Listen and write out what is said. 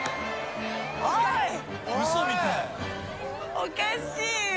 おかしいよ。